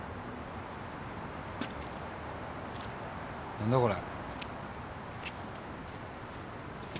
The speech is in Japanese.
何だこれ？